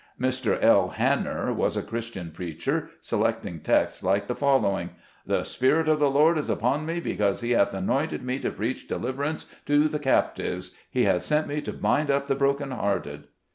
Mr. L. Hanner was a Christian preacher, select ing texts like the following :" The Spirit of the Lord is upon me, because he hath anointed me to preach deliverance to the captives, he hath sent me to bind up the broken hearted."